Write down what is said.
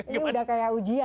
ini udah kayak ujian